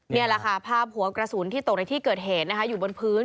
นี่แหละค่ะภาพหัวกระสุนที่ตกในที่เกิดเหตุนะคะอยู่บนพื้น